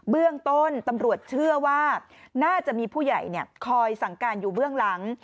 เบื้องต้นตำรวจเชื่อว่าน่าจะมีผู้ใหญ่คอยสั่งการอยู่เบื้องหลัง